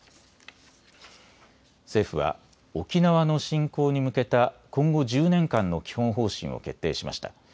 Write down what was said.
政府は沖縄の振興に向けた今後１０年間の基本方針を決定しました。